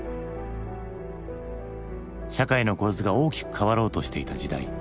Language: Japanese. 社会の構図が大きく変わろうとしていた時代。